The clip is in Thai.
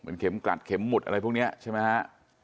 เข็มกลัดเข็มหมุดอะไรพวกนี้ใช่ไหมฮะ